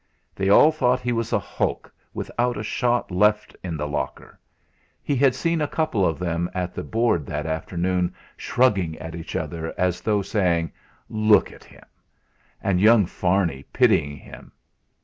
They all thought he was a hulk, without a shot left in the locker! He had seen a couple of them at the Board that afternoon shrugging at each other, as though saying: 'Look at him!' And young Farney pitying him.